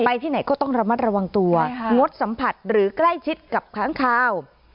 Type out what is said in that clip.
ที่ไหนก็ต้องระมัดระวังตัวงดสัมผัสหรือใกล้ชิดกับค้างคาว